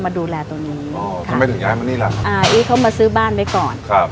ดูแลตัวนี้อ๋อทำไมถึงย้ายมานี่ล่ะอ่าอีทเขามาซื้อบ้านไว้ก่อนครับ